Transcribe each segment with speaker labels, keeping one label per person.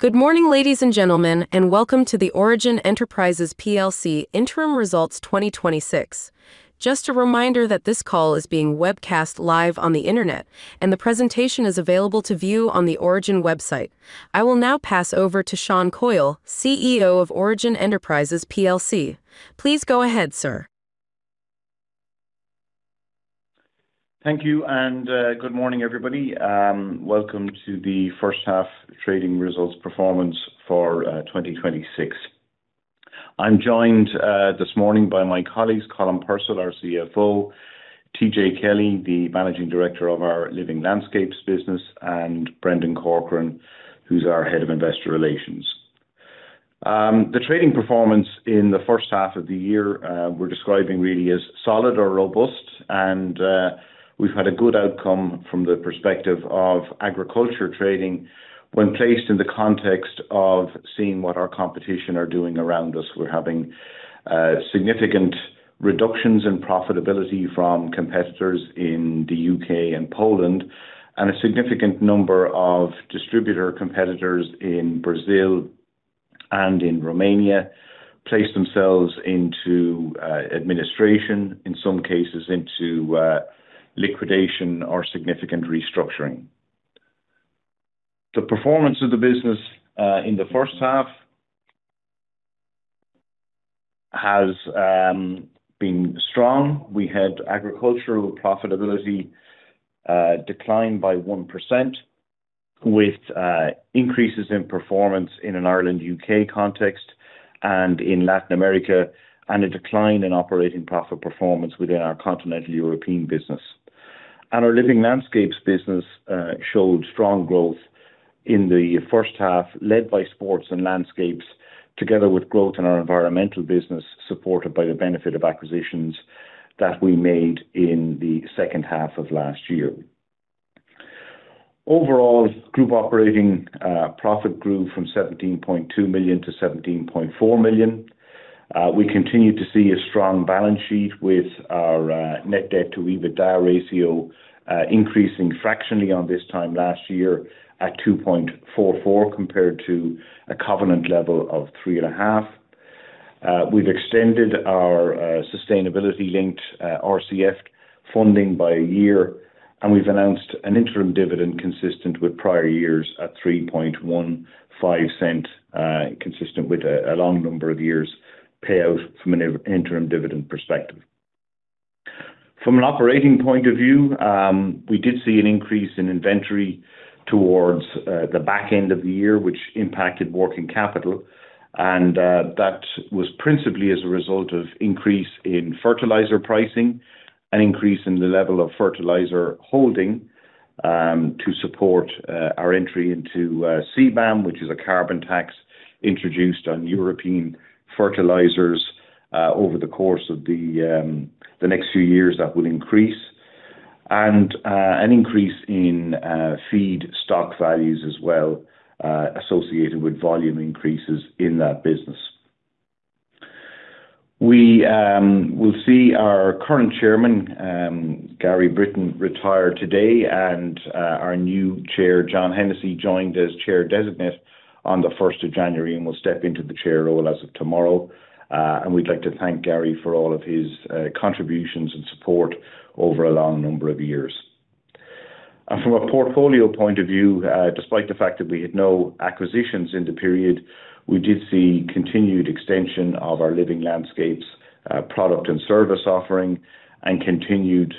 Speaker 1: Good morning, ladies and gentlemen. Welcome to the Origin Enterprises PLC Interim Results 2026. Just a reminder that this call is being webcast live on the Internet, and the presentation is available to view on the Origin website. I will now pass over to Sean Coyle, CEO of Origin Enterprises PLC. Please go ahead, sir.
Speaker 2: Thank you. Good morning, everybody. Welcome to the first half trading results performance for 2026. I'm joined this morning by my colleagues, Colm Purcell, our CFO, TJ Kelly, the Managing Director of our Living Landscapes business, and Brendan Corcoran, who's our Head of Investor Relations. The trading performance in the first half of the year, we're describing really as solid or robust. We've had a good outcome from the perspective of agriculture trading when placed in the context of seeing what our competition are doing around us. We're having significant reductions in profitability from competitors in the U.K. and Poland, and a significant number of distributor competitors in Brazil and in Romania place themselves into administration, in some cases into liquidation or significant restructuring. The performance of the business in the first half has been strong. We had agricultural profitability decline by 1% with increases in performance in an Ireland-U.K. context and in Latin America, and a decline in operating profit performance within our continental European business. Our Living Landscapes business showed strong growth in the first half, led by sports and landscapes, together with growth in our environmental business, supported by the benefit of acquisitions that we made in the second half of last year. Overall, group operating profit grew from 17.2 million to 17.4 million. We continue to see a strong balance sheet with our net debt to EBITDA ratio increasing fractionally on this time last year at 2.44 compared to a covenant level of 3.5. We've extended our sustainability-linked RCF funding by a year, and we've announced an interim dividend consistent with prior years at 0.0315, consistent with a long number of years payout from an interim dividend perspective. From an operating point of view, we did see an increase in inventory towards the back end of the year, which impacted working capital. That was principally as a result of increase in fertilizer pricing, an increase in the level of fertilizer holding, to support our entry into CBAM, which is a carbon tax introduced on European fertilizers over the course of the next few years that will increase. An increase in feed stock values as well, associated with volume increases in that business. We will see our current chairman, Gary Britton, retire today, and our new chair, John Hennessy, joined as chair designate on the 1st of January, and will step into the chair role as of tomorrow. We'd like to thank Gary for all of his contributions and support over a long number of years. From a portfolio point of view, despite the fact that we had no acquisitions in the period, we did see continued extension of our Living Landscapes product and service offering, and continued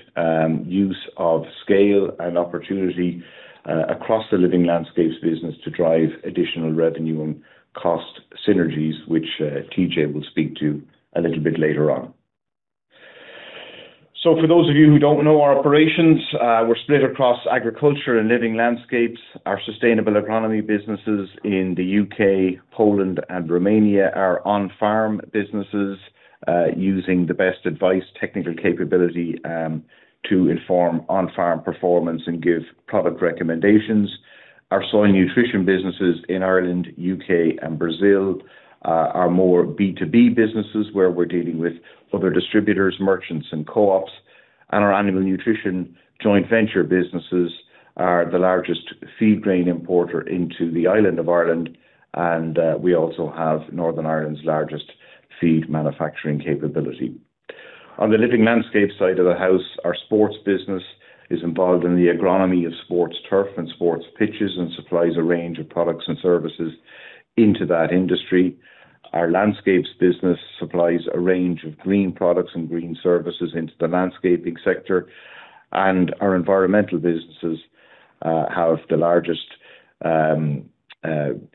Speaker 2: use of scale and opportunity across the Living Landscapes business to drive additional revenue and cost synergies, which TJ will speak to a little bit later on. For those of you who don't know our operations, we're split across agriculture and Living Landscapes. Our sustainable agronomy businesses in the U.K., Poland and Romania are on-farm businesses, using the best advice, technical capability, to inform on-farm performance and give product recommendations. Our soil nutrition businesses in Ireland, U.K. and Brazil, are more B2B businesses where we're dealing with other distributors, merchants and co-ops. Our animal nutrition joint venture businesses are the largest feed grain importer into the island of Ireland and, we also have Northern Ireland's largest feed manufacturing capability. On the Living Landscapes side of the house, our sports business is involved in the agronomy of sports turf and sports pitches, and supplies a range of products and services into that industry. Our Landscapes business supplies a range of green products and green services into the landscaping sector. Our environmental businesses have the largest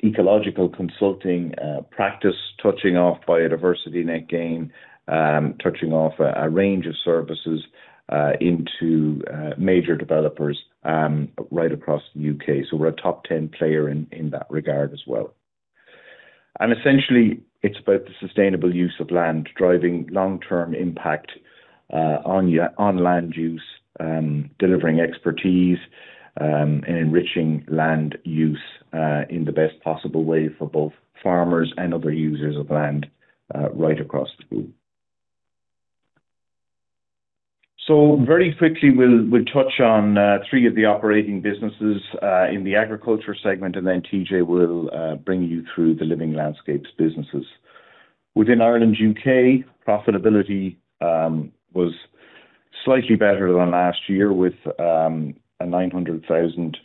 Speaker 2: ecological consulting practice touching off Biodiversity Net Gain, touching off a range of services into major developers right across the U.K. We're a top 10 player in that regard as well. Essentially, it's about the sustainable use of land, driving long-term impact on land use, delivering expertise and enriching land use in the best possible way for both farmers and other users of land right across the group. Very quickly, we'll touch on three of the operating businesses in the agriculture segment, and then TJ will bring you through the Living Landscapes businesses. Within Ireland/U.K., profitability was slightly better than last year with a 900,000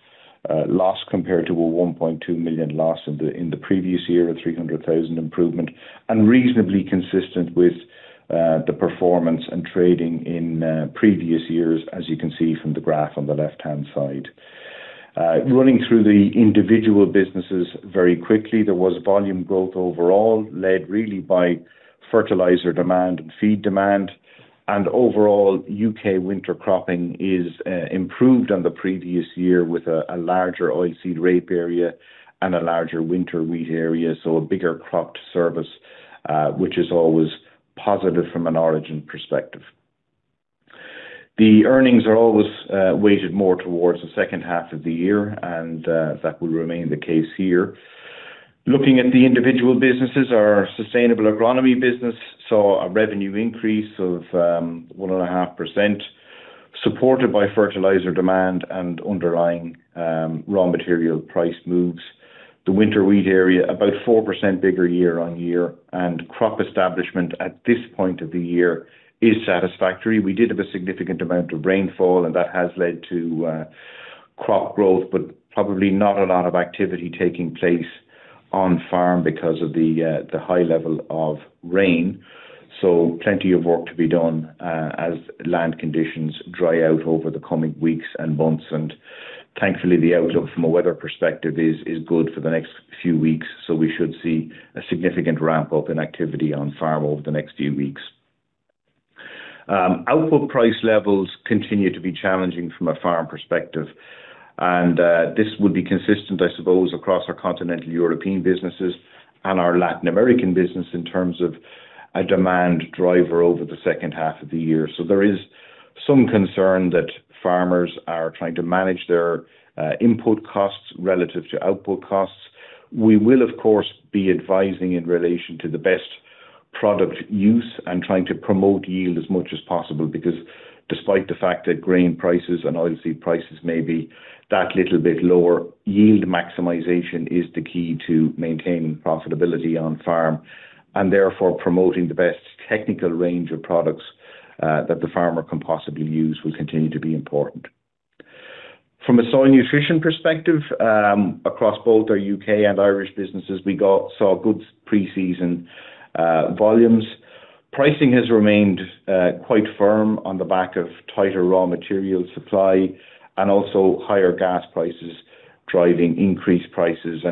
Speaker 2: loss compared to a 1.2 million loss in the previous year, a 300,000 improvement. Reasonably consistent with the performance and trading in previous years, as you can see from the graph on the left-hand side. Running through the individual businesses very quickly, there was volume growth overall led really by fertilizer demand and feed demand. Overall U.K. winter cropping is improved on the previous year with a larger oil seed rape area and a larger winter wheat area, so a bigger crop to service, which is always positive from an Origin Enterprises perspective. The earnings are always weighted more towards the second half of the year. That will remain the case here. Looking at the individual businesses, our sustainable agronomy business saw a revenue increase of 1.5%, supported by fertilizer demand and underlying raw material price moves. The winter wheat area, about 4% bigger year-on-year, and crop establishment at this point of the year is satisfactory. We did have a significant amount of rainfall, and that has led to crop growth, but probably not a lot of activity taking place on farm because of the high level of rain. Plenty of work to be done as land conditions dry out over the coming weeks and months, and thankfully the outlook from a weather perspective is good for the next few weeks, so we should see a significant ramp up in activity on farm over the next few weeks. Output price levels continue to be challenging from a farm perspective. This would be consistent, I suppose, across our continental European businesses and our Latin American business in terms of a demand driver over the second half of the year. There is some concern that farmers are trying to manage their input costs relative to output costs. We will, of course, be advising in relation to the best product use and trying to promote yield as much as possible because despite the fact that grain prices and oil seed prices may be that little bit lower, yield maximization is the key to maintaining profitability on farm, and therefore promoting the best technical range of products that the farmer can possibly use will continue to be important. From a soil nutrition perspective, across both our U.K. and Irish businesses, we saw good pre-season volumes. Pricing has remained quite firm on the back of tighter raw material supply and also higher gas prices driving increased prices.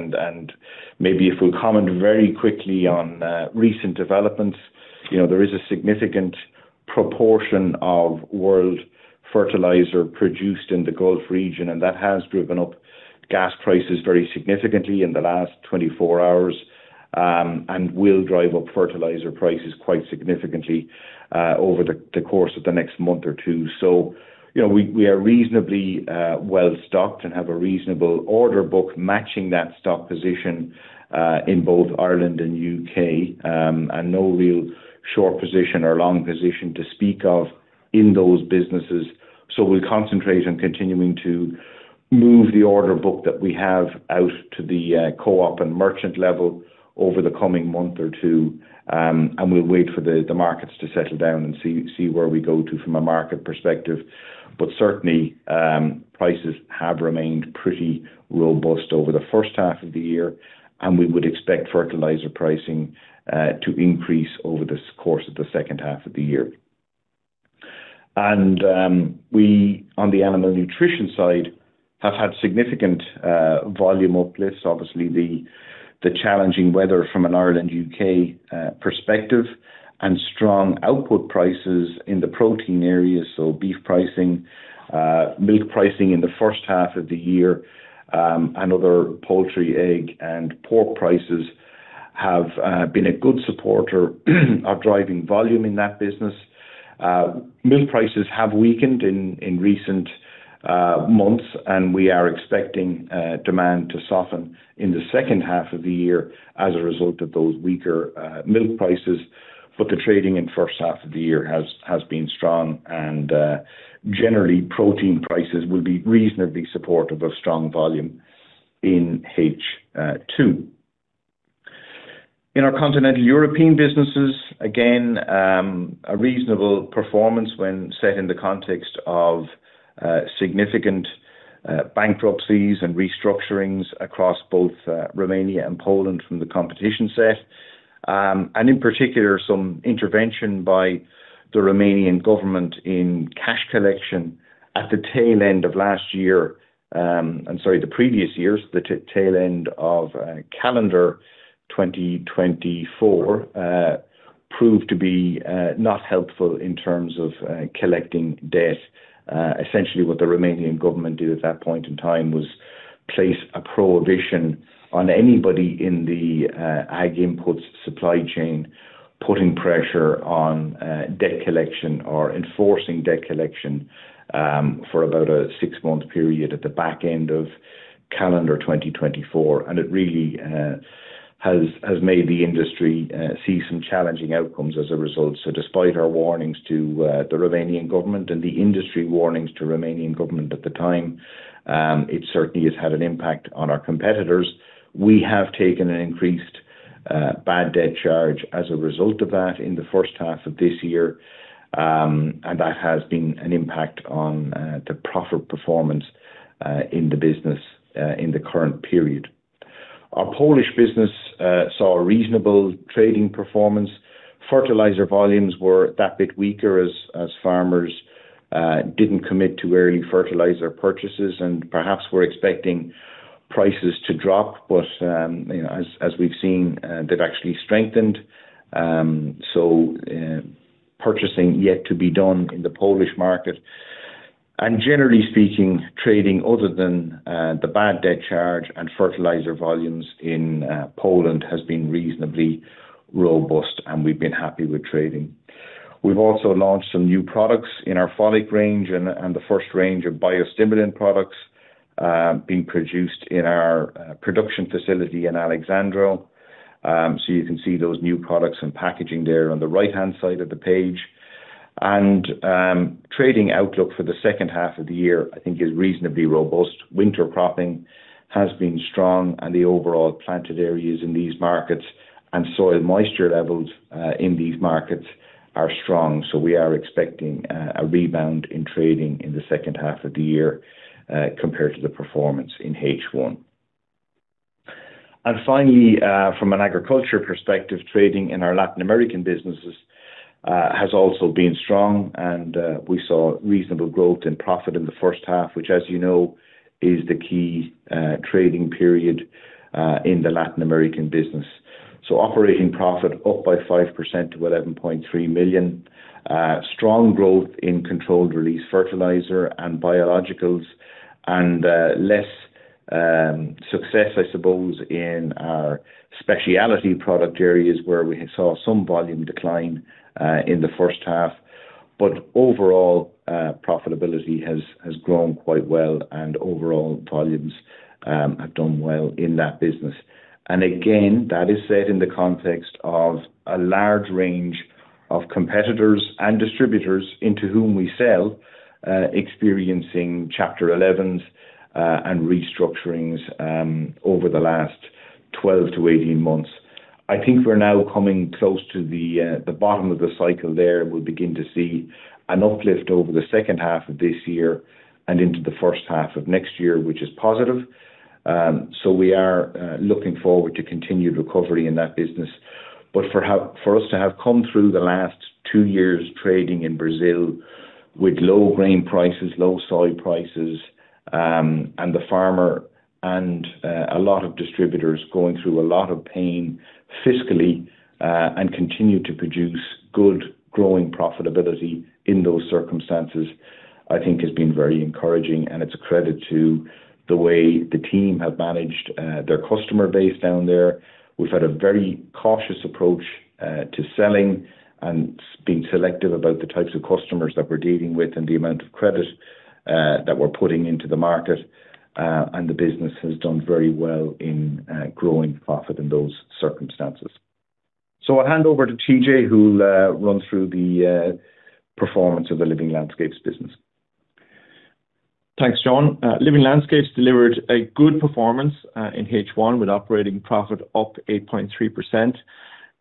Speaker 2: Maybe if we comment very quickly on recent developments, you know, there is a significant proportion of world fertilizer produced in the Gulf region, and that has driven up gas prices very significantly in the last 24 hours, and will drive up fertilizer prices quite significantly over the course of the next month or 2. You know, we are reasonably well-stocked and have a reasonable order book matching that stock position in both Ireland and U.K., and no real short position or long position to speak of in those businesses. We'll concentrate on continuing to move the order book that we have out to the co-op and merchant level over the coming month or two, and we'll wait for the markets to settle down and see where we go to from a market perspective. Certainly, prices have remained pretty robust over the first half of the year, and we would expect fertilizer pricing to increase over this course of the second half of the year. We, on the animal nutrition side, have had significant volume uplifts, obviously the challenging weather from an Ireland/U.K. perspective and strong output prices in the protein area, so beef pricing, milk pricing in the first half of the year, and other poultry, egg, and pork prices have been a good supporter of driving volume in that business. Milk prices have weakened in recent months, and we are expecting demand to soften in the 2nd half of the year as a result of those weaker milk prices. The trading in 1st half of the year has been strong and generally protein prices will be reasonably supportive of strong volume in H2. In our continental European businesses, again, a reasonable performance when set in the context of significant bankruptcies and restructurings across both Romania and Poland from the competition set. In particular, some intervention by the Romanian government in cash collection at the tail end of last year, I'm sorry, the previous years, the tail end of calendar 2024 proved to be not helpful in terms of collecting debt. Essentially what the Romanian government did at that point in time was place a prohibition on anybody in the ag inputs supply chain, putting pressure on debt collection or enforcing debt collection. For about a 6-month period at the back end of calendar 2024, it really has made the industry see some challenging outcomes as a result. Despite our warnings to the Romanian government and the industry warnings to Romanian government at the time, it certainly has had an impact on our competitors. We have taken an increased bad debt charge as a result of that in the first half of this year, and that has been an impact on the profit performance in the business in the current period. Our Polish business saw a reasonable trading performance. Fertilizer volumes were that bit weaker as farmers didn't commit to early fertilizer purchases and perhaps were expecting prices to drop. You know, as we've seen, they've actually strengthened. Purchasing yet to be done in the Polish market. Generally speaking, trading other than the bad debt charge and fertilizer volumes in Poland has been reasonably robust, and we've been happy with trading. We've also launched some new products in our folic range and the first range of biostimulant products, being produced in our production facility in Alexandro. You can see those new products and packaging there on the right-hand side of the page. Trading outlook for the second half of the year, I think is reasonably robust. Winter cropping has been strong and the overall planted areas in these markets and soil moisture levels in these markets are strong. We are expecting a rebound in trading in the second half of the year compared to the performance in H1. Finally, from an agriculture perspective, trading in our Latin American businesses has also been strong and we saw reasonable growth in profit in the first half, which, as you know, is the key trading period in the Latin American business. Operating profit up by 5% to 11.3 million. Strong growth in controlled release fertilizer and biologicals and less success, I suppose, in our specialty product areas where we saw some volume decline in the first half. Overall, profitability has grown quite well and overall volumes have done well in that business. Again, that is said in the context of a large range of competitors and distributors into whom we sell, experiencing Chapter 11 and restructurings over the last 12-18 months. I think we're now coming close to the bottom of the cycle there. We'll begin to see an uplift over the second half of this year and into the first half of next year, which is positive. We are looking forward to continued recovery in that business. For us to have come through the last two years trading in Brazil with low grain prices, low soy prices, and the farmer and a lot of distributors going through a lot of pain fiscally, and continue to produce good growing profitability in those circumstances, I think has been very encouraging. It's a credit to the way the team have managed their customer base down there. We've had a very cautious approach to selling and being selective about the types of customers that we're dealing with and the amount of credit that we're putting into the market. And the business has done very well in growing profit in those circumstances. I'll hand over to TJ, who'll run through the performance of the Living Landscapes business.
Speaker 3: Thanks, Sean. Living Landscapes delivered a good performance in H1 with operating profit up 8.3%,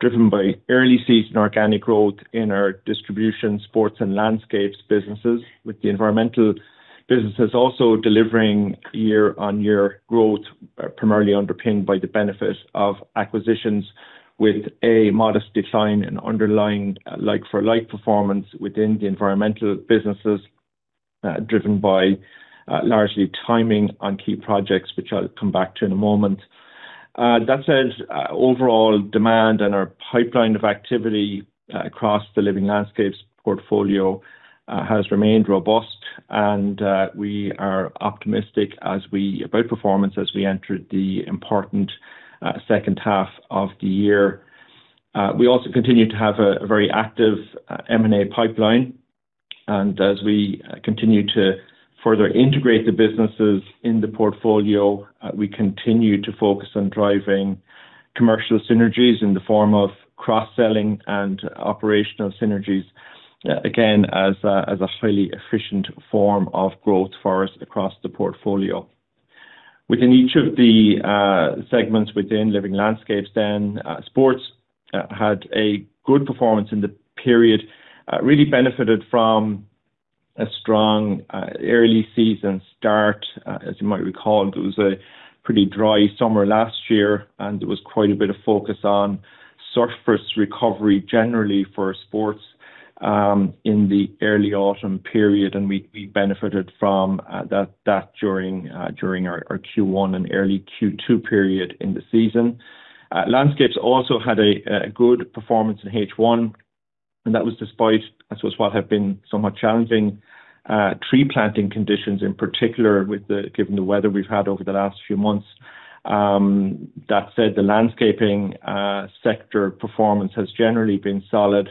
Speaker 3: driven by early season organic growth in our distribution, sports and landscapes businesses, with the environmental businesses also delivering year-on-year growth, primarily underpinned by the benefit of acquisitions with a modest decline in underlying, like-for-like performance within the environmental businesses, driven by largely timing on key projects, which I'll come back to in a moment. That said, overall demand and our pipeline of activity across the Living Landscapes portfolio has remained robust, and we are optimistic about performance as we enter the important second half of the year. We also continue to have a very active M&A pipeline. As we continue to further integrate the businesses in the portfolio, we continue to focus on driving commercial synergies in the form of cross-selling and operational synergies, again, as a highly efficient form of growth for us across the portfolio. Within each of the segments within Living Landscapes then, sports had a good performance in the period, really benefited from a strong early season start. As you might recall, it was a pretty dry summer last year, and there was quite a bit of focus on surface recovery generally for sports in the early autumn period. We benefited from that during our Q1 and early Q2 period in the season. Landscapes also had a good performance in H1, that was despite I suppose what have been somewhat challenging tree planting conditions in particular given the weather we've had over the last few months. That said, the landscaping sector performance has generally been solid.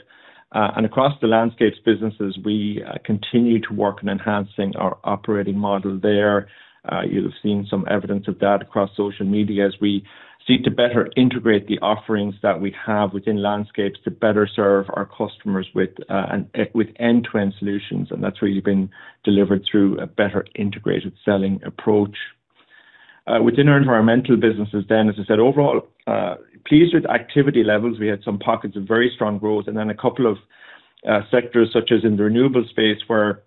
Speaker 3: Across the Landscapes businesses, we continue to work in enhancing our operating model there. You'll have seen some evidence of that across social media as we seek to better integrate the offerings that we have within Landscapes to better serve our customers with end-to-end solutions. That's really been delivered through a better integrated selling approach. Within our environmental businesses then, as I said, overall, pleased with activity levels. We had some pockets of very strong growth, and then a couple of sectors, such as in the renewable space, where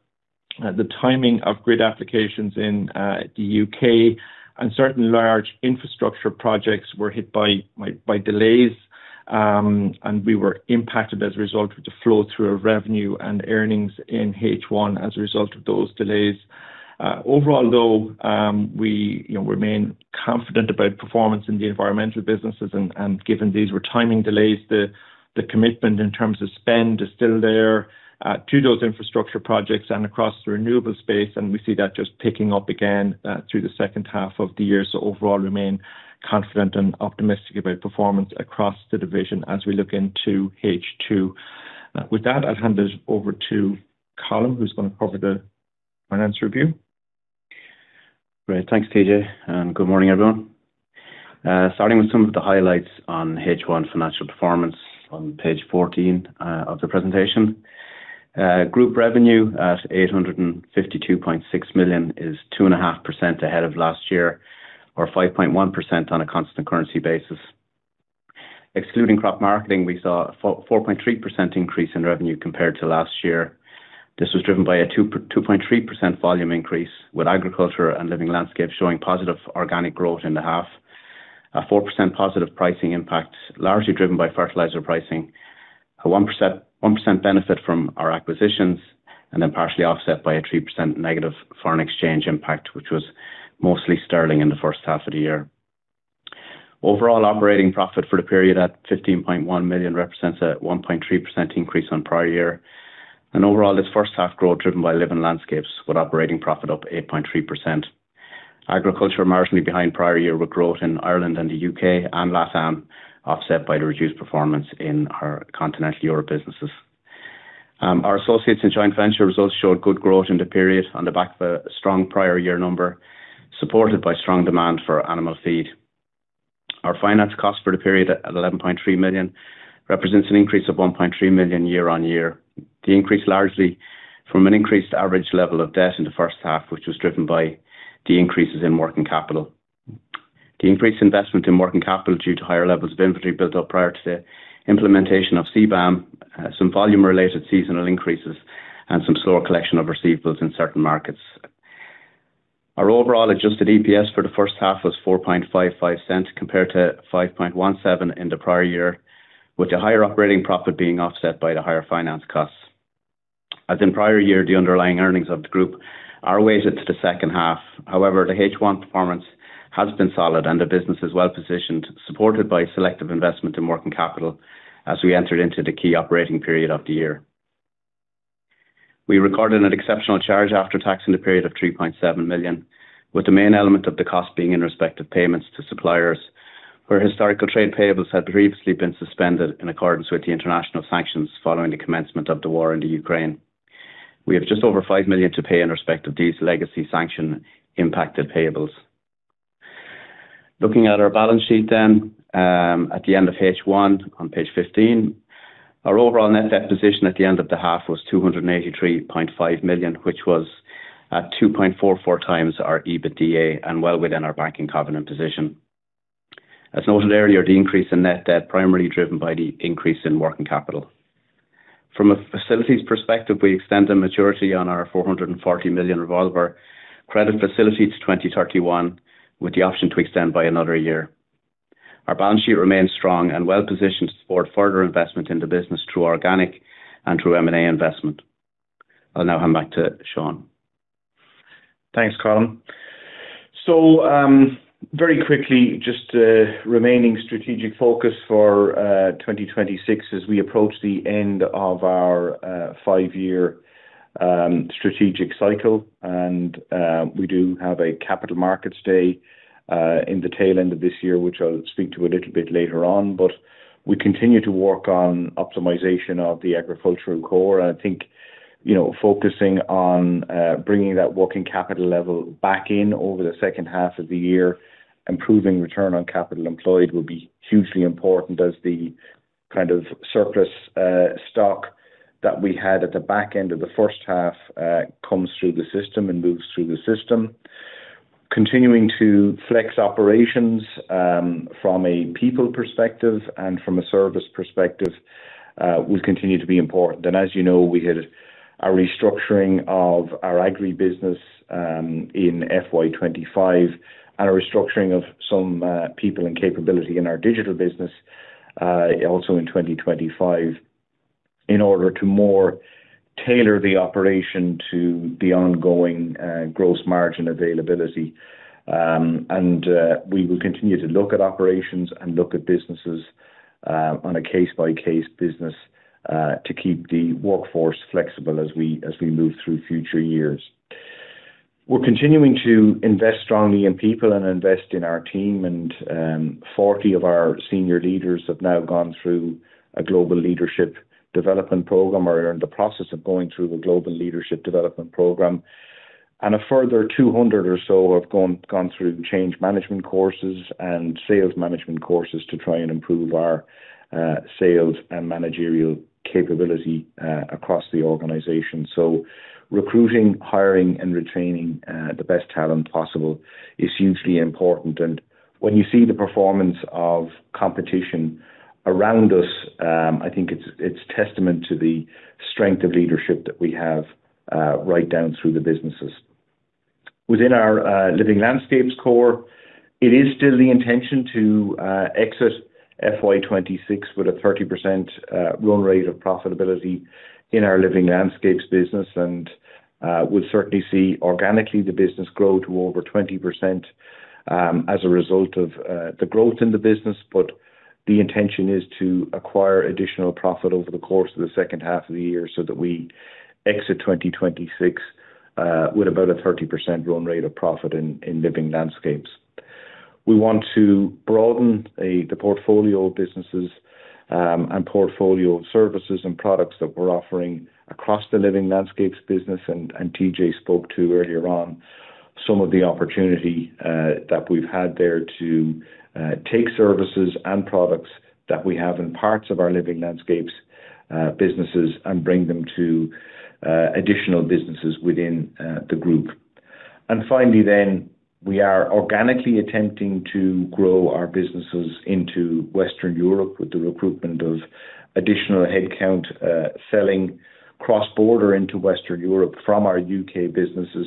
Speaker 3: the timing of grid applications in the U.K., and certain large infrastructure projects were hit by delays. We were impacted as a result of the flow through of revenue and earnings in H1 as a result of those delays. Overall, though, we, you know, remain confident about performance in the environmental businesses and given these were timing delays, the commitment in terms of spend is still there to those infrastructure projects and across the renewable space, and we see that just picking up again through the second half of the year. Overall, remain confident and optimistic about performance across the division as we look into H2. With that, I'll hand it over to Colm, who's gonna cover the finance review.
Speaker 4: Great. Thanks, TJ. Good morning, everyone. Starting with some of the highlights on H1 financial performance on Page 14 of the presentation. Group revenue at 852.6 million is 2.5% ahead of last year or 5.1% on a constant currency basis. Excluding crop marketing, we saw a 4.3% increase in revenue compared to last year. This was driven by a 2.3% volume increase, with agriculture and Living Landscapes showing positive organic growth in the half. A 4% positive pricing impact, largely driven by fertilizer pricing, a 1% benefit from our acquisitions, partially offset by a 3% negative foreign exchange impact, which was mostly sterling in the first half of the year. Overall operating profit for the period at 15.1 million represents a 1.3% increase on prior year. Overall, this first half growth driven by Living Landscapes, with operating profit up 8.3%. Agriculture marginally behind prior year with growth in Ireland and the U.K. and LATAM, offset by the reduced performance in our continental Europe businesses. Our associates and joint venture results showed good growth in the period on the back of a strong prior year number, supported by strong demand for animal feed. Our finance cost for the period at 11.3 million represents an increase of 1.3 million year on year. The increase largely from an increased average level of debt in the first half, which was driven by the increases in working capital. The increased investment in working capital due to higher levels of inventory built up prior to the implementation of CBAM, some volume-related seasonal increases and some slower collection of receivables in certain markets. Our overall adjusted EPS for the first half was 0.0455 compared to 0.0517 in the prior year, with the higher operating profit being offset by the higher finance costs. As in prior year, the underlying earnings of the group are weighted to the second half. However, the H1 performance has been solid and the business is well-positioned, supported by selective investment in working capital as we entered into the key operating period of the year. We recorded an exceptional charge after tax in the period of 3.7 million, with the main element of the cost being in respect of payments to suppliers, where historical trade payables had previously been suspended in accordance with the international sanctions following the commencement of the war in the Ukraine. We have just over 5 million to pay in respect of these legacy sanction impacted payables. Looking at our balance sheet, at the end of H1 on Page 15. Our overall net debt position at the end of the half was 283.5 million, which was at 2.44x our EBITDA and well within our banking covenant position. As noted earlier, the increase in net debt primarily driven by the increase in working capital. From a facilities perspective, we extend a maturity on our 440 million revolving credit facility to 2031, with the option to extend by another year. Our balance sheet remains strong and well-positioned to support further investment in the business through organic and through M&A investment. I'll now hand back to Sean.
Speaker 2: Thanks, Colm. Very quickly, just the remaining strategic focus for 2026 as we approach the end of our 5-year strategic cycle, we do have a capital markets day in the tail end of this year, which I'll speak to a little bit later on. We continue to work on optimization of the agricultural core. I think, you know, focusing on bringing that working capital level back in over the second half of the year, improving return on capital employed will be hugely important as the kind of surplus stock that we had at the back end of the first half comes through the system and moves through the system. Continuing to flex operations from a people perspective and from a service perspective will continue to be important. As you know, we had a restructuring of our agri business in FY 25 and a restructuring of some people and capability in our digital business also in 2025 in order to more tailor the operation to the ongoing gross margin availability. We will continue to look at operations and look at businesses. On a case by case business to keep the workforce flexible as we move through future years. We're continuing to invest strongly in people and invest in our team, and 40 of our senior leaders have now gone through a global leadership development program or are in the process of going through a global leadership development program. A further 200 or so have gone through change management courses and sales management courses to try and improve our sales and managerial capability across the organization. Recruiting, hiring and retaining the best talent possible is hugely important. When you see the performance of competition around us, I think it's testament to the strength of leadership that we have right down through the businesses. Within our Living Landscapes core, it is still the intention to exit FY 2026 with a 30% run rate of profitability in our Living Landscapes business. We'll certainly see organically the business grow to over 20% as a result of the growth in the business. The intention is to acquire additional profit over the course of the second half of the year so that we exit 2026 with about a 30% run rate of profit in Living Landscapes. We want to broaden the portfolio of businesses and portfolio of services and products that we're offering across the Living Landscapes business. TJ spoke to earlier on some of the opportunity that we've had there to take services and products that we have in parts of our Living Landscapes businesses and bring them to additional businesses within the group. Finally, we are organically attempting to grow our businesses into Western Europe with the recruitment of additional headcount, selling cross-border into Western Europe from our U.K. businesses.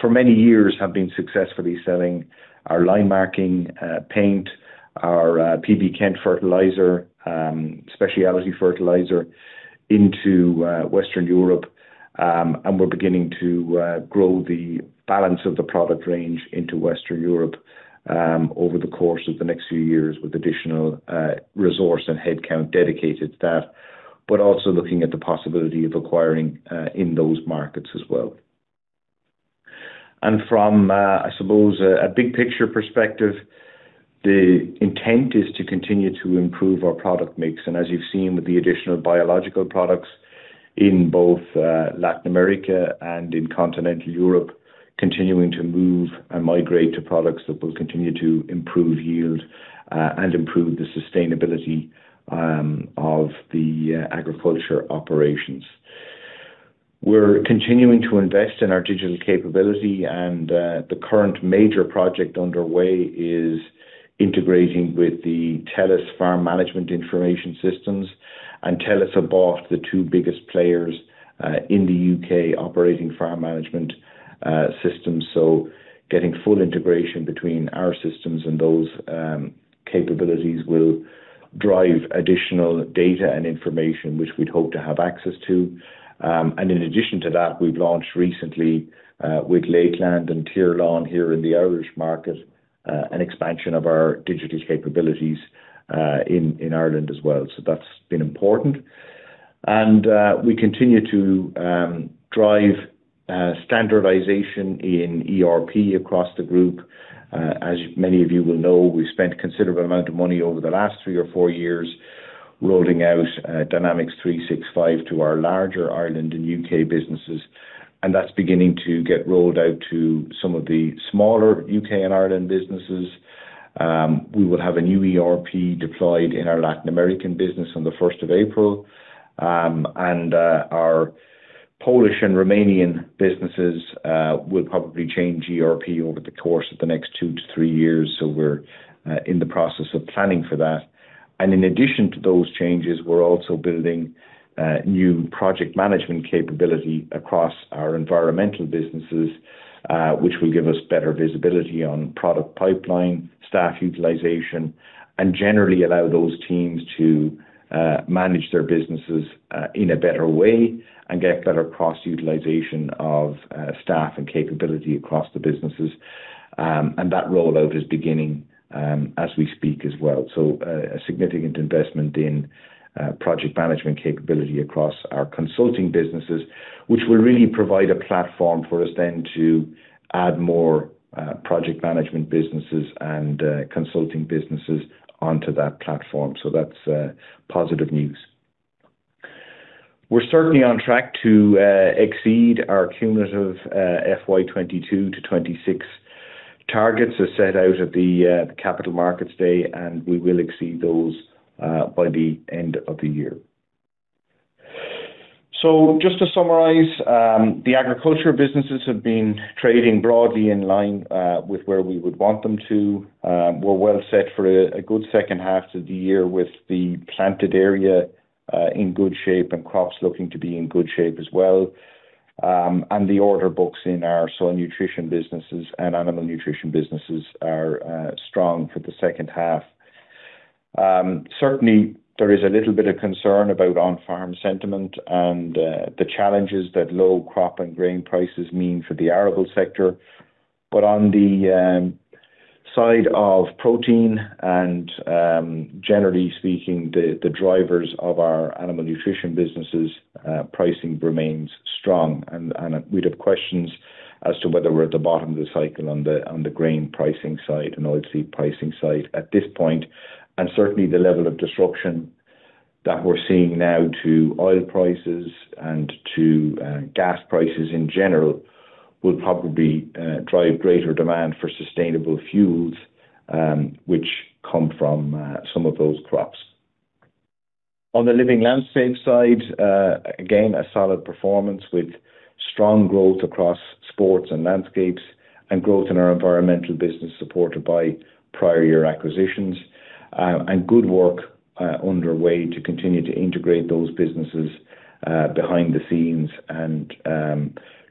Speaker 2: For many years have been successfully selling our line marking paint, our PB Kent fertilizer, specialty fertilizer into Western Europe. We're beginning to grow the balance of the product range into Western Europe over the course of the next few years with additional resource and headcount dedicated to that, but also looking at the possibility of acquiring in those markets as well. From, I suppose a big picture perspective, the intent is to continue to improve our product mix. As you've seen with the additional biological products in both Latin America and in continental Europe, continuing to move and migrate to products that will continue to improve yield and improve the sustainability of the agriculture operations. We're continuing to invest in our digital capability. The current major project underway is integrating with the TELUS farm management information systems. TELUS have bought the two biggest players in the U.K. operating farm management systems. Getting full integration between our systems and those capabilities will drive additional data and information which we'd hope to have access to. In addition to that, we've launched recently with Lakeland and Tier Lawn here in the Irish market, an expansion of our digital capabilities in Ireland as well. That's been important. We continue to drive standardization in ERP across the group. As many of you will know, we've spent a considerable amount of money over the last three or four years rolling out Dynamics 365 to our larger Ireland and U.K. businesses, and that's beginning to get rolled out to some of the smaller U.K. and Ireland businesses. We will have a new ERP deployed in our Latin American business on the first of April. Our Polish and Romanian businesses will probably change ERP over the course of the next two to three years. We're in the process of planning for that. In addition to those changes, we're also building new project management capability across our environmental businesses, which will give us better visibility on product pipeline, staff utilization, and generally allow those teams to manage their businesses in a better way and get better cross utilization of staff and capability across the businesses. That rollout is beginning as we speak as well. A significant investment in project management capability across our consulting businesses, which will really provide a platform for us then to add more project management businesses and consulting businesses onto that platform. That's positive news. We're certainly on track to exceed our cumulative FY 2022-2026 targets as set out at the capital markets day. We will exceed those by the end of the year. Just to summarize, the agriculture businesses have been trading broadly in line with where we would want them to. We're well set for a good second half to the year with the planted area in good shape and crops looking to be in good shape as well. The order books in our soil nutrition businesses and animal nutrition businesses are strong for the second half. Certainly there is a little bit of concern about on-farm sentiment and the challenges that low crop and grain prices mean for the arable sector. On the side of protein and generally speaking, the drivers of our animal nutrition businesses, pricing remains strong and we'd have questions as to whether we're at the bottom of the cycle on the grain pricing side and oil seed pricing side at this point, and certainly the level of disruption that we're seeing now to oil prices and to gas prices in general, will probably drive greater demand for sustainable fuels, which come from some of those crops. On the Living Landscapes side, again, a solid performance with strong growth across sports and landscapes and growth in our environmental business, supported by prior year acquisitions, and good work underway to continue to integrate those businesses behind the scenes and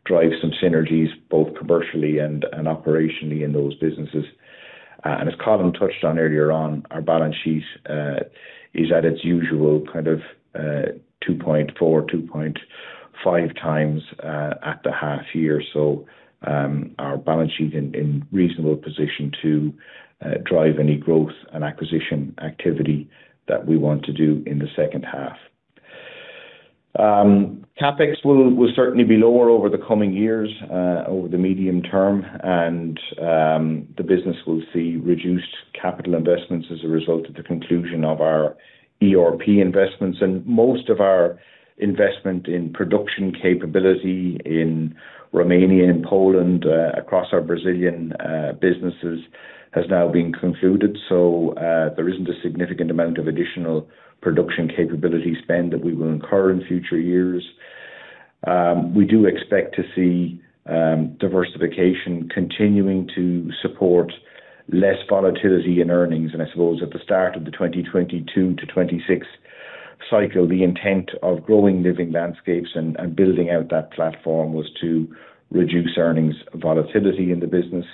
Speaker 2: drive some synergies both commercially and operationally in those businesses. As Colm touched on earlier on, our balance sheet is at its usual kind of 2.4x-2.5x at the half year. Our balance sheet in reasonable position to drive any growth and acquisition activity that we want to do in the second half. CapEx will certainly be lower over the coming years over the medium term. The business will see reduced capital investments as a result of the conclusion of our ERP investments and most of our investment in production capability in Romania and Poland across our Brazilian businesses has now been concluded. There isn't a significant amount of additional production capability spend that we will incur in future years. We do expect to see diversification continuing to support less volatility in earnings. I suppose at the start of the 2022-2026 cycle, the intent of growing Living Landscapes and building out that platform was to reduce earnings volatility in the business,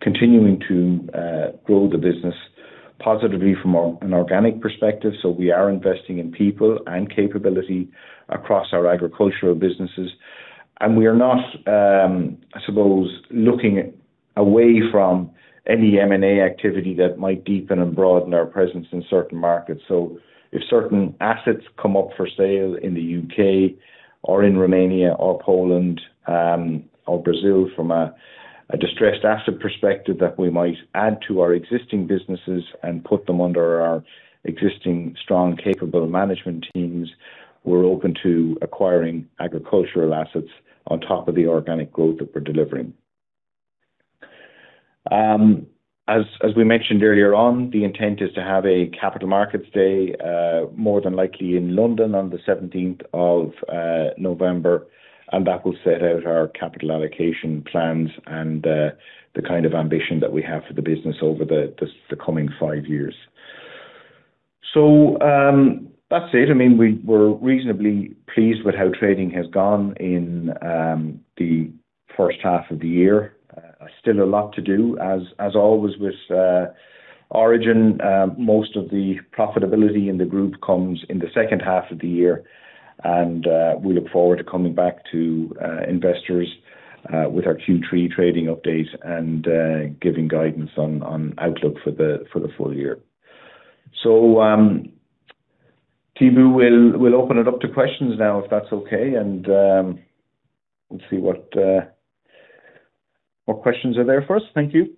Speaker 2: continuing to grow the business positively from an organic perspective. We are investing in people and capability across our agricultural businesses, and we are not, I suppose, looking away from any M&A activity that might deepen and broaden our presence in certain markets. If certain assets come up for sale in the U.K. or in Romania or Poland, or Brazil from a distressed asset perspective, that we might add to our existing businesses and put them under our existing strong, capable management teams, we're open to acquiring agricultural assets on top of the organic growth that we're delivering. As we mentioned earlier on, the intent is to have a capital markets day, more than likely in London on the 17th of November, and that will set out our capital allocation plans and the kind of ambition that we have for the business over the coming five years. That's it. I mean, we're reasonably pleased with how trading has gone in the first half of the year. Still a lot to do. As always with Origin, most of the profitability in the group comes in the second half of the year. We look forward to coming back to investors with our Q3 trading update and giving guidance on outlook for the full year. Thibu will open it up to questions now, if that's okay. We'll see what questions are there for us. Thank you.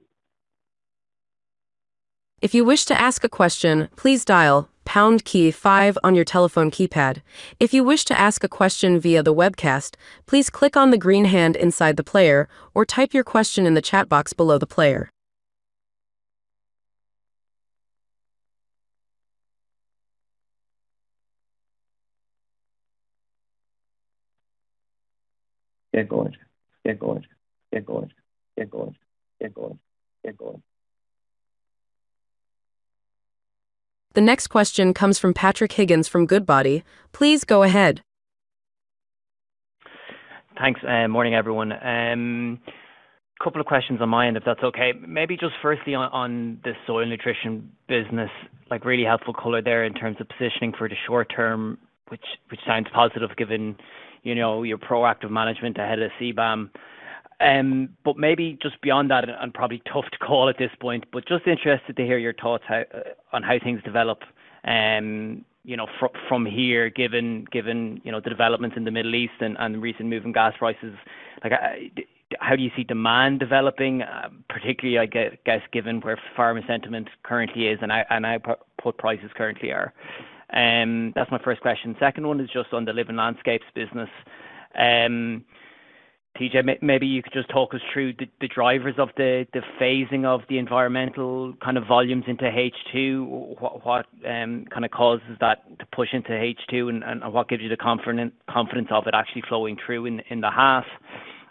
Speaker 1: If you wish to ask a question, please dial pound key five on your telephone keypad. If you wish to ask a question via the webcast, please click on the green hand inside the player or type your question in the chat box below the player.
Speaker 2: Echoing.
Speaker 1: The next question comes from Patrick Higgins from Goodbody. Please go ahead.
Speaker 5: Thanks, and morning, everyone. Couple of questions on my end, if that's okay. Maybe just firstly on the soil nutrition business, like really helpful color there in terms of positioning for the short term, which sounds positive given, you know, your proactive management ahead of CBAM. Maybe just beyond that and probably tough to call at this point, but just interested to hear your thoughts on how things develop, you know, from here, given you know, the developments in the Middle East and recent move in gas prices. Like, how do you see demand developing, particularly I guess, given where farmer sentiment currently is and output prices currently are? That's my first question. Second one is just on the Living Landscapes business. TJ, maybe you could just talk us through the drivers of the phasing of the environmental kind of volumes into H2. What, what kind of causes that to push into H2 and what gives you the confidence of it actually flowing through in the half?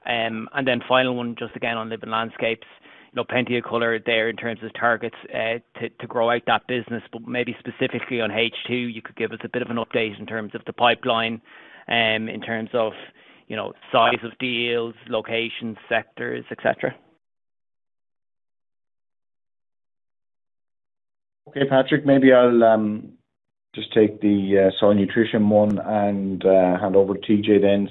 Speaker 5: And then final one, just again on Living Landscapes. You know, plenty of color there in terms of targets to grow out that business. Maybe specifically on H2, you could give us a bit of an update in terms of the pipeline, in terms of, you know, size of deals, locations, sectors, et cetera.
Speaker 2: Okay, Patrick, maybe I'll just take the soil nutrition one and hand over to TJ then.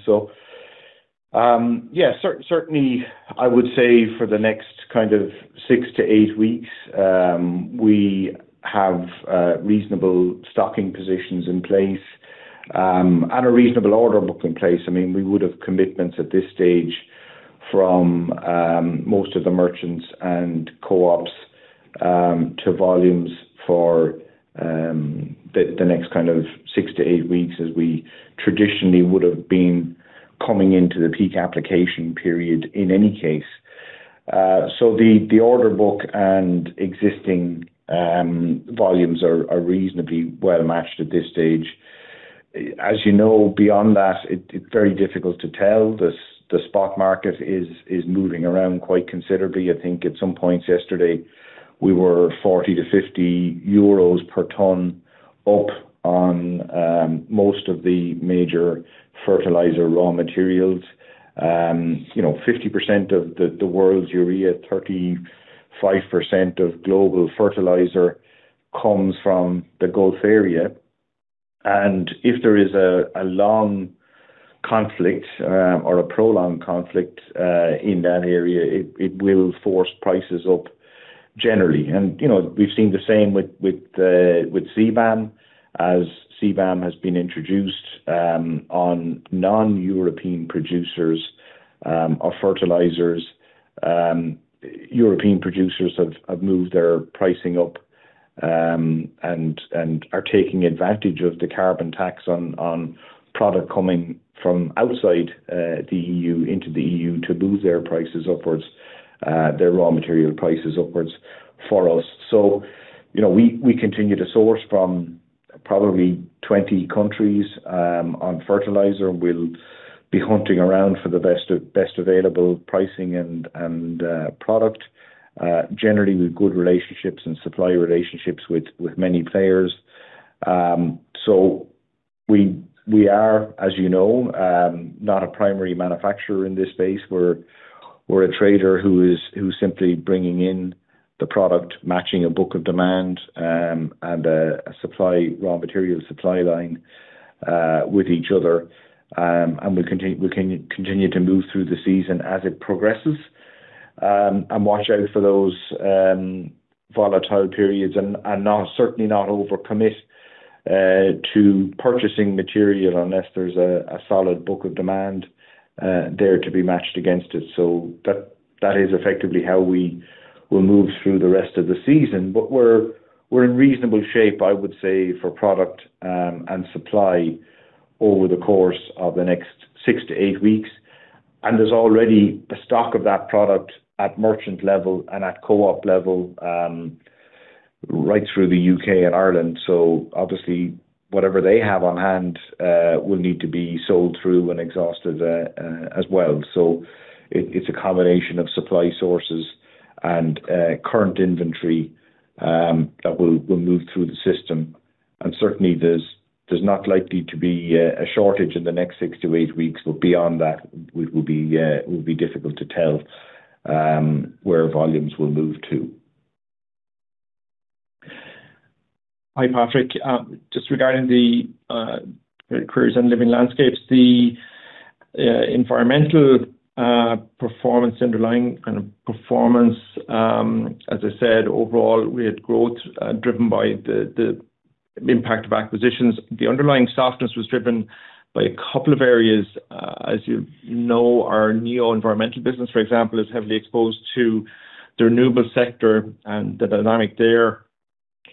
Speaker 2: Yeah, certainly, I would say for the next kind of six to eight weeks, we have reasonable stocking positions in place and a reasonable order book in place. I mean, we would have commitments at this stage from most of the merchants and co-ops to volumes for the next kind of six to eight weeks as we traditionally would have been coming into the peak application period in any case. The order book and existing volumes are reasonably well matched at this stage. As you know, beyond that, it's very difficult to tell. The spot market is moving around quite considerably. I think at some points yesterday, we were 40-50 euros per ton up on most of the major fertilizer raw materials. You know, 50% of the world's urea, 35% of global fertilizer comes from the Gulf area. If there is a long conflict, or a prolonged conflict in that area, it will force prices up generally. You know, we've seen the same with CBAM. As CBAM has been introduced on non-European producers of fertilizers, European producers have moved their pricing up and are taking advantage of the carbon tax on product coming from outside the EU into the EU to move their prices upwards, their raw material prices upwards for us. You know, we continue to source from probably 20 countries on fertilizer. We'll be hunting around for the best available pricing and product generally with good relationships and supply relationships with many players. We are, as you know, not a primary manufacturer in this space. We're a trader who is, who's simply bringing in the product, matching a book of demand and a supply, raw material supply line with each other. We continue to move through the season as it progresses and watch out for those volatile periods and not, certainly not over-commit to purchasing material unless there's a solid book of demand there to be matched against it. That is effectively how we will move through the rest of the season. We're in reasonable shape, I would say, for product and supply over the course of the next 6-8 weeks. There's already a stock of that product at merchant level and at co-op level right through the U.K. and Ireland. Obviously, whatever they have on hand will need to be sold through and exhausted as well. It's a combination of supply sources and current inventory that we'll move through the system. Certainly there's not likely to be a shortage in the next 6-8 weeks, but beyond that, it will be difficult to tell where volumes will move to.
Speaker 3: Hi, Patrick. Just regarding the Careers and Living Landscapes, the environmental performance, underlying kind of performance, as I said, overall, we had growth, driven by the impact of acquisitions. The underlying softness was driven by a couple of areas. As you know, our Neo Environmental business, for example, is heavily exposed to the renewable sector and the dynamic there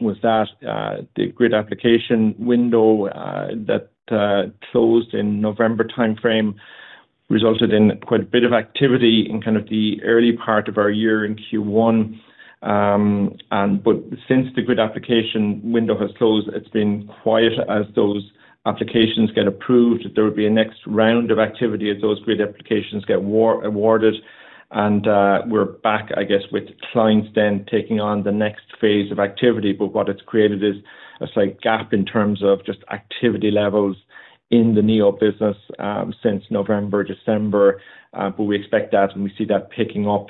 Speaker 3: was that the grid application window that closed in November timeframe resulted in quite a bit of activity in kind of the early part of our year in Q1. But since the grid application window has closed, it's been quiet as those applications get approved. There will be a next round of activity as those grid applications get awarded. We're back, I guess, with clients then taking on the next phase of activity. What it's created is a slight gap in terms of just activity levels in the Neo business since November, December, but we expect that, and we see that picking up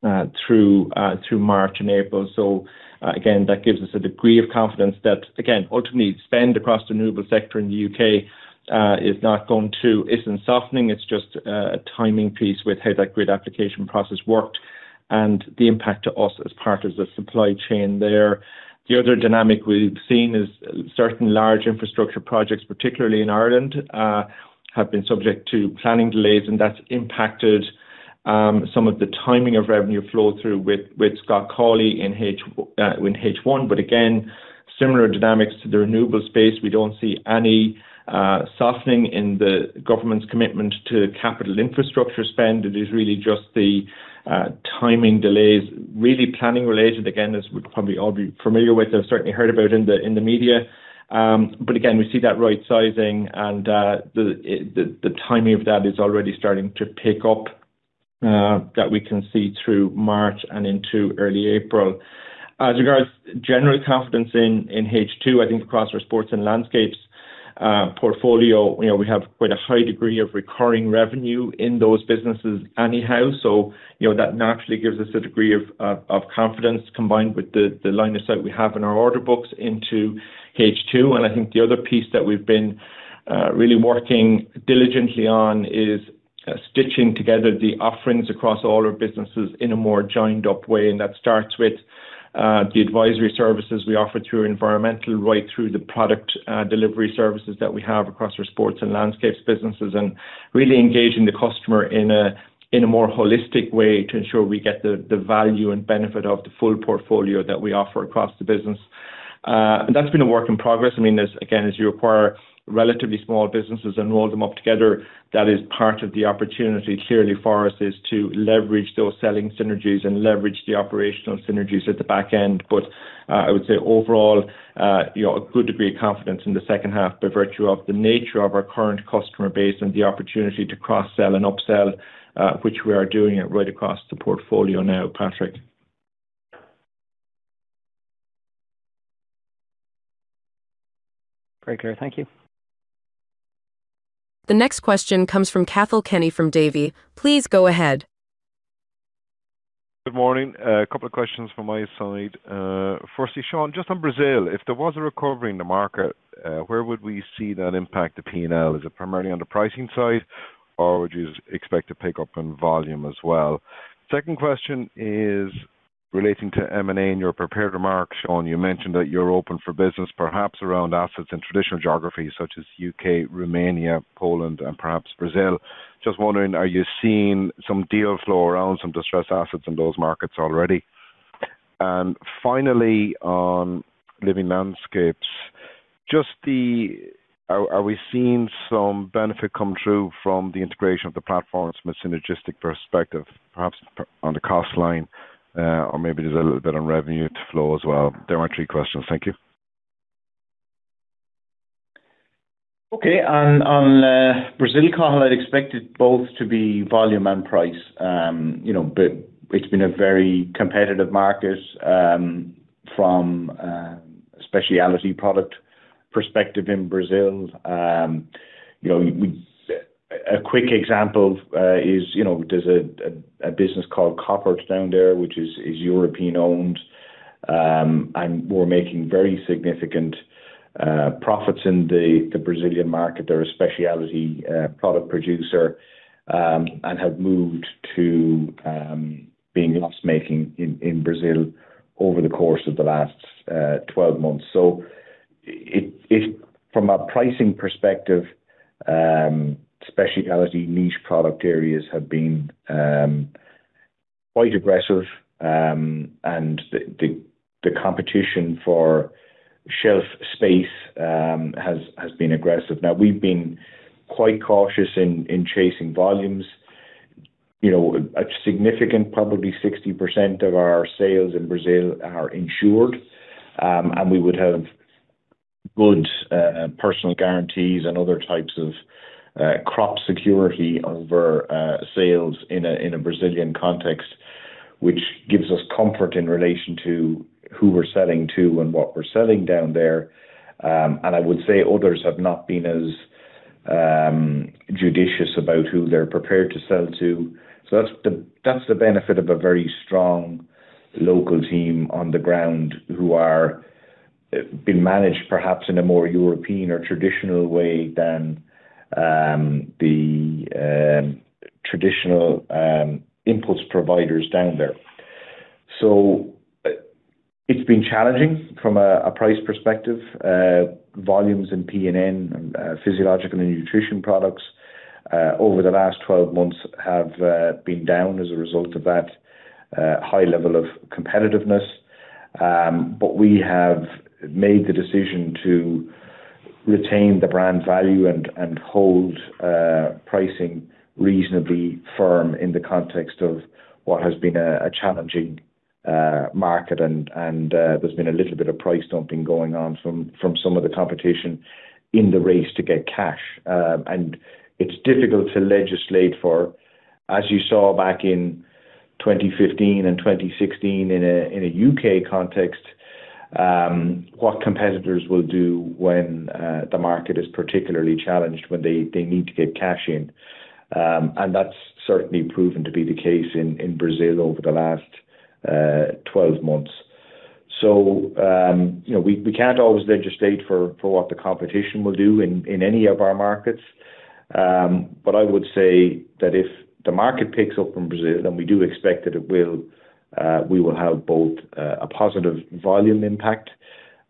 Speaker 3: through March and April. Again, that gives us a degree of confidence that, again, ultimately spend across the renewable sector in the U.K. isn't softening. It's just a timing piece with how that grid application process worked and the impact to us as part of the supply chain there. The other dynamic we've seen is certain large infrastructure projects, particularly in Ireland, have been subject to planning delays, and that's impacted some of the timing of revenue flow through with Scott Cawley in H1. Again, similar dynamics to the renewable space. We don't see any softening in the government's commitment to capital infrastructure spend. It is really just the timing delays, really planning related, again, as we'd probably all be familiar with or certainly heard about in the media. Again, we see that right sizing and the timing of that is already starting to pick up that we can see through March and into early April. As regards general confidence in H2, I think across our sports and landscapes
Speaker 2: Portfolio, you know, we have quite a high degree of recurring revenue in those businesses anyhow. You know, that naturally gives us a degree of confidence combined with the line of sight we have in our order books into H2. I think the other piece that we've been really working diligently on is stitching together the offerings across all our businesses in a more joined-up way. That starts with the advisory services we offer through environmental right through the product delivery services that we have across our sports and landscapes businesses, and really engaging the customer in a more holistic way to ensure we get the value and benefit of the full portfolio that we offer across the business. That's been a work in progress. I mean, as again, as you acquire relatively small businesses and roll them up together, that is part of the opportunity clearly for us, is to leverage those selling synergies and leverage the operational synergies at the back end. I would say overall, you know, a good degree of confidence in the second half by virtue of the nature of our current customer base and the opportunity to cross-sell and upsell, which we are doing it right across the portfolio now, Patrick.
Speaker 5: Very clear. Thank you.
Speaker 1: The next question comes from Cathal Kenny from Davy. Please go ahead.
Speaker 6: Good morning. A couple of questions from my side. Firstly, Sean, just on Brazil, if there was a recovery in the market, where would we see that impact the P&L? Is it primarily on the pricing side, or would you expect to pick up on volume as well? Second question is relating to M&A. In your prepared remarks, Sean, you mentioned that you're open for business perhaps around assets in traditional geographies such as U.K., Romania, Poland, and perhaps Brazil. Just wondering, are you seeing some deal flow around some distressed assets in those markets already? Finally, on Living Landscapes, just the... Are we seeing some benefit come through from the integration of the platforms from a synergistic perspective, perhaps on the cost line? Or maybe there's a little bit on revenue to flow as well. They're my three questions. Thank you.
Speaker 2: On Brazil, Cathal, I'd expect it both to be volume and price. You know, it's been a very competitive market from a specialty product perspective in Brazil. You know, a quick example is, you know, there's a business called Koppert down there, which is European-owned. Were making very significant profits in the Brazilian market. They're a specialty product producer and have moved to being loss-making in Brazil over the course of the last 12 months. From a pricing perspective, specialty niche product areas have been quite aggressive. The competition for shelf space has been aggressive. We've been quite cautious in chasing volumes. You know, a significant, probably 60% of our sales in Brazil are insured. We would have good personal guarantees and other types of crop security over sales in a Brazilian context, which gives us comfort in relation to who we're selling to and what we're selling down there. I would say others have not been as judicious about who they're prepared to sell to. That's the, that's the benefit of a very strong local team on the ground who are being managed perhaps in a more European or traditional way than the traditional inputs providers down there. It's been challenging from a price perspective. Volumes in P&N, Physiological and Nutrition products, over the last 12 months have been down as a result of that high level of competitiveness. We have made the decision to retain the brand value and hold pricing reasonably firm in the context of what has been a challenging market. There's been a little bit of price dumping going on from some of the competition in the race to get cash. It's difficult to legislate for, as you saw back in 2015 and 2016 in a U.K. context, what competitors will do when the market is particularly challenged, when they need to get cash in. That's certainly proven to be the case in Brazil over the last 12 months. you know, we can't always legislate for what the competition will do in any of our markets. I would say that if the market picks up in Brazil, and we do expect that it will, we will have both a positive volume impact,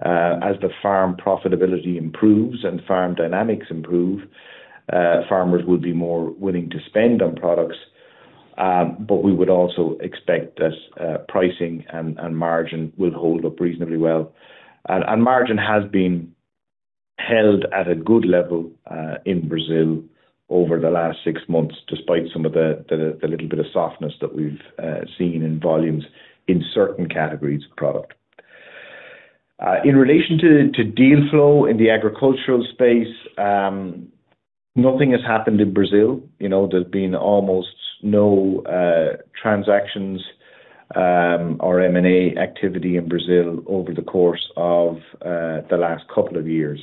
Speaker 2: as the farm profitability improves and farm dynamics improve, farmers will be more willing to spend on products. We would also expect that pricing and margin will hold up reasonably well. Margin has been held at a good level in Brazil over the last 6 months, despite some of the little bit of softness that we've seen in volumes in certain categories of product. In relation to deal flow in the agricultural space. Nothing has happened in Brazil, you know, there's been almost no transactions or M&A activity in Brazil over the course of the last 2 years.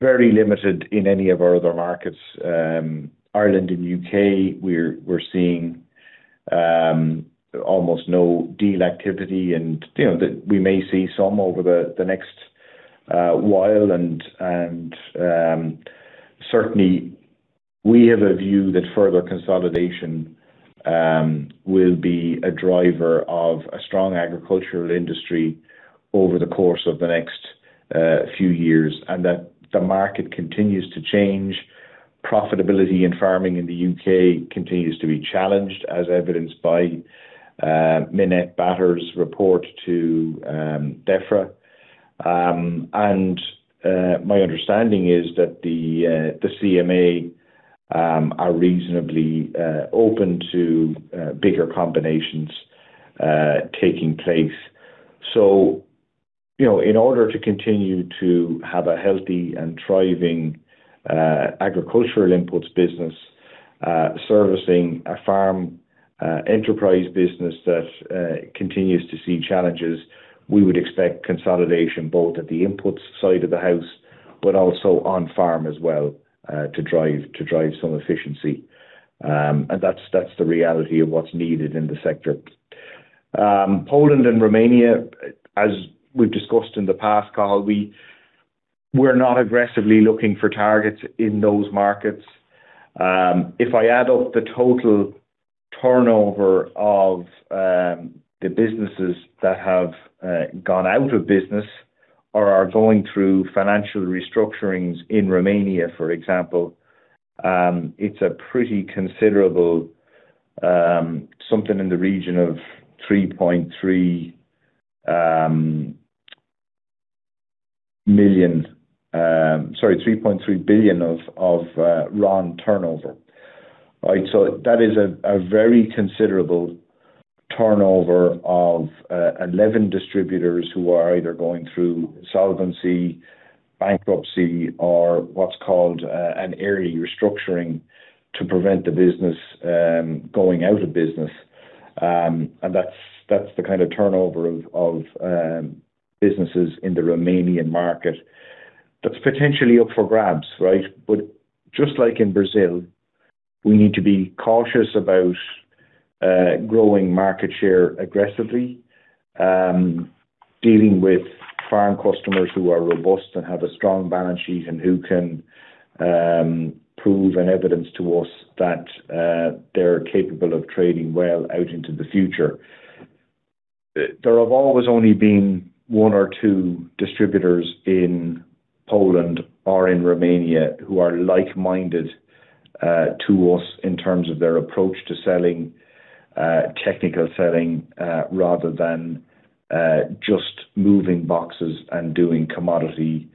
Speaker 2: Very limited in any of our other markets. Ireland and U.K., we're seeing almost no deal activity and, you know, that we may see some over the next while and certainly we have a view that further consolidation will be a driver of a strong agricultural industry over the course of the next few years, and that the market continues to change. Profitability in farming in the U.K. continues to be challenged as evidenced by Minette Batters' report to Defra. My understanding is that the CMA are reasonably open to bigger combinations taking place. You know, in order to continue to have a healthy and thriving agricultural inputs business, servicing a farm enterprise business that continues to see challenges, we would expect consolidation both at the input side of the house, but also on farm as well, to drive some efficiency. That's, that's the reality of what's needed in the sector. Poland and Romania, as we've discussed in the past, Cathal, we're not aggressively looking for targets in those markets. If I add up the total turnover of the businesses that have gone out of business or are going through financial restructurings in Romania, for example, it's a pretty considerable, something in the region of 3.3 billion RON turnover. Right. That is a very considerable turnover of 11 distributors who are either going through solvency, bankruptcy, or what's called an area restructuring to prevent the business going out of business. And that's the kind of turnover of businesses in the Romanian market. That's potentially up for grabs, right? Just like in Brazil, we need to be cautious about growing market share aggressively, dealing with farm customers who are robust and have a strong balance sheet and who can prove and evidence to us that they're capable of trading well out into the future. There have always only been one or two distributors in Poland or in Romania who are like-minded to us in terms of their approach to selling, technical selling, rather than just moving boxes and doing commodity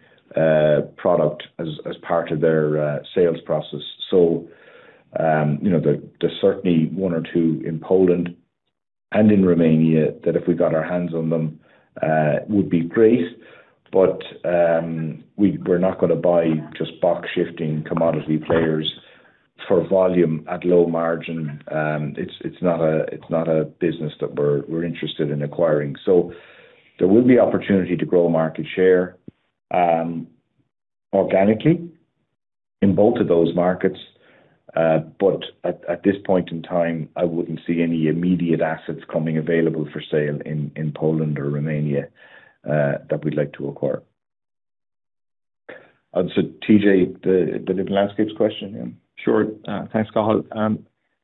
Speaker 2: product as part of their sales process. You know, there's certainly one or two in Poland and in Romania that if we got our hands on them, would be great. We're not gonna buy just box shifting commodity players for volume at low margin. It's not a business that we're interested in acquiring. There will be opportunity to grow market share organically in both of those markets. At this point in time, I wouldn't see any immediate assets coming available for sale in Poland or Romania that we'd like to acquire. TJ, the landscapes question.
Speaker 3: Sure. Thanks, Cathal.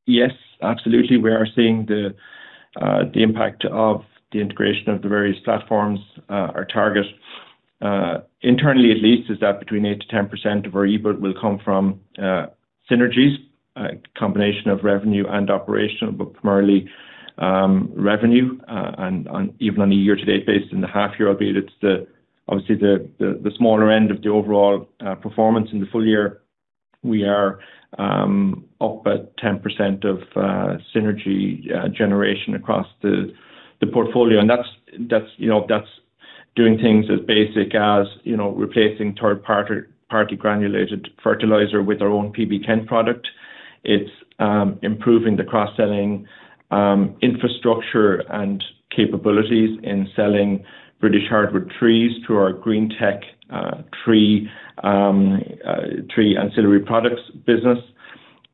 Speaker 3: Yes, absolutely we are seeing the impact of the integration of the various platforms. Our target internally at least is that between 8%-10% of our EBIT will come from synergies, a combination of revenue and operational, but primarily revenue, and on even on a year-to-date based in the half year albeit it's obviously the smaller end of the overall performance in the full year. We are up at 10% of synergy generation across the portfolio. That's, that's, you know, that's doing things as basic as, you know, replacing third-party granulated fertilizer with our own PB Kent product. It's improving the cross-selling infrastructure and capabilities in selling British hardwood trees through our Green-tech tree ancillary products business.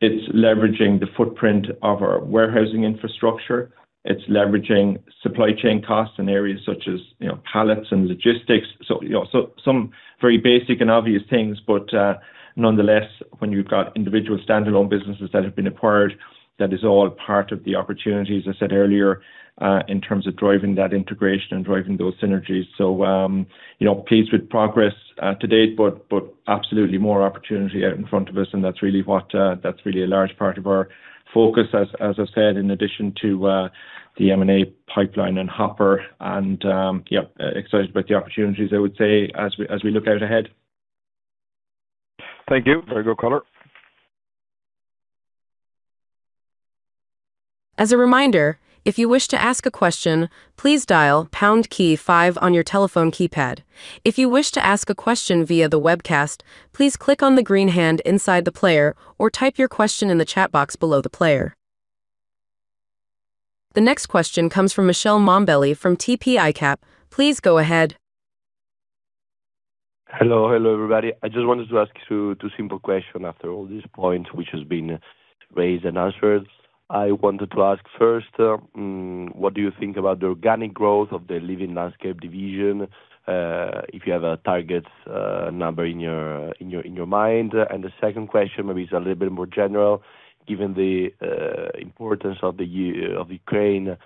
Speaker 3: It's leveraging the footprint of our warehousing infrastructure. It's leveraging supply chain costs in areas such as, you know, pallets and logistics. You know, some very basic and obvious things, but nonetheless, when you've got individual standalone businesses that have been acquired, that is all part of the opportunities I said earlier in terms of driving that integration and driving those synergies. You know, pleased with progress to date, but absolutely more opportunity out in front of us, and that's really a large part of our focus as I said, in addition to the M&A pipeline and hopper and, yeah, excited about the opportunities I would say as we look out ahead.
Speaker 6: Thank you. Very good, color.
Speaker 1: As a reminder, if you wish to ask a question, please dial pound key five on your telephone keypad. If you wish to ask a question via the webcast, please click on the green hand inside the player or type your question in the chat box below the player. The next question comes from Michele Mombelli from TP ICAP. Please go ahead.
Speaker 7: Hello. Hello, everybody. I just wanted to ask you two simple question after all these points which has been raised and answered. I wanted to ask first, what do you think about the organic growth of the Living Landscapes division? If you have a target number in your mind. The second question maybe is a little bit more general. Given the importance of Ukraine,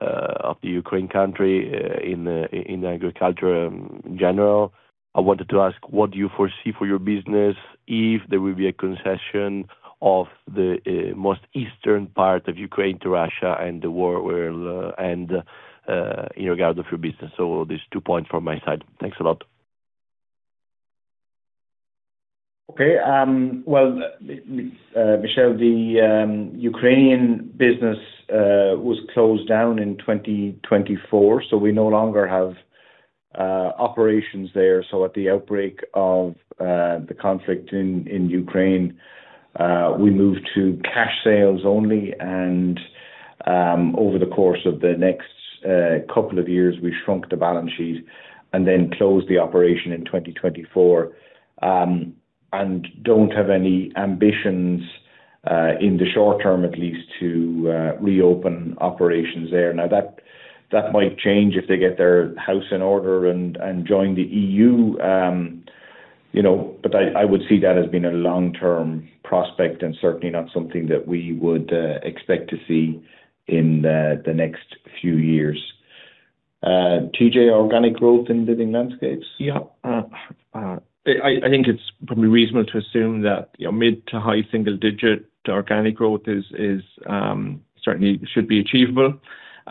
Speaker 7: of the Ukraine country in agriculture in general, I wanted to ask, what do you foresee for your business if there will be a concession of the most eastern part of Ukraine to Russia and the war will end in regard of your business? These two points from my side. Thanks a lot.
Speaker 2: Okay. Michele, the Ukrainian business was closed down in 2024, we no longer have operations there. At the outbreak of the conflict in Ukraine, we moved to cash sales only and over the course of the next couple of years we shrunk the balance sheet and then closed the operation in 2024. Don't have any ambitions in the short term at least, to reopen operations there. That might change if they get their house in order and join the EU. You know, I would see that as being a long-term prospect and certainly not something that we would expect to see in the next few years. TJ, organic growth in Living Landscapes.
Speaker 3: Yeah. I think it's probably reasonable to assume that, you know, mid to high single-digit organic growth is certainly should be achievable.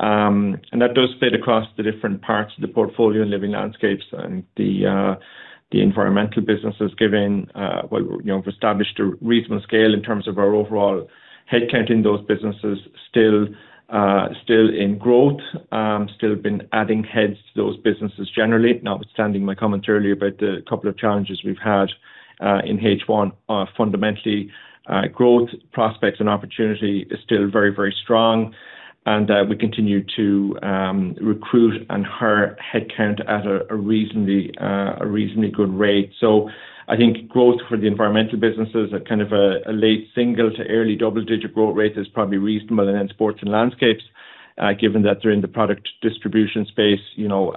Speaker 3: That does fit across the different parts of the portfolio in Living Landscapes and the environmental businesses given, you know, we've established a reasonable scale in terms of our overall headcount in those businesses still in growth. Still been adding heads to those businesses generally. Notwithstanding my comment earlier about the couple of challenges we've had in H1, fundamentally, growth prospects and opportunity is still very, very strong, and we continue to recruit and hire headcount at a reasonably good rate. I think growth for the environmental businesses are kind of a late single-digit to early double-digit growth rate is probably reasonable. Then sports and landscapes, given that they're in the product distribution space, you know,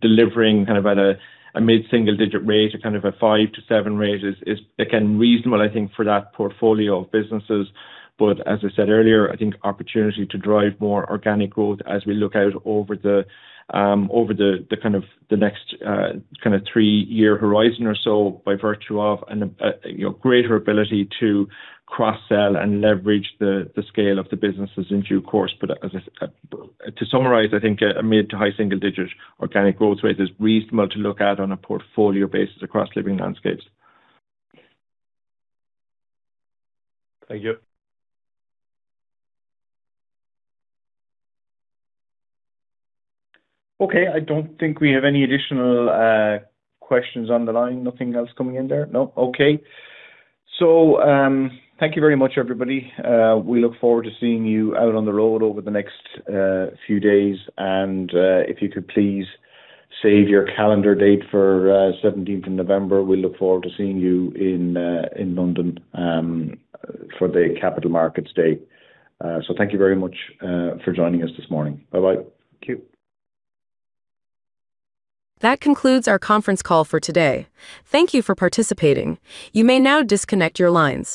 Speaker 3: delivering kind of at a mid-single-digit rate or kind of a 5%-7% rate is again reasonable, I think, for that portfolio of businesses. As I said earlier, I think opportunity to drive more organic growth as we look out over the, over the kind of the next, kind of 3-year horizon or so by virtue of an, you know, greater ability to cross-sell and leverage the scale of the businesses in due course. To summarize, I think a mid to high single digit organic growth rate is reasonable to look at on a portfolio basis across Living Landscapes.
Speaker 7: Thank you.
Speaker 2: Okay, I don't think we have any additional questions on the line. Nothing else coming in there? No. Okay. Thank you very much, everybody. We look forward to seeing you out on the road over the next few days and, if you could please save your calendar date for seventeenth of November, we look forward to seeing you in London for the Capital Markets Day. Thank you very much for joining us this morning. Bye-bye.
Speaker 3: Thank you.
Speaker 1: That concludes our conference call for today. Thank you for participating. You may now disconnect your lines.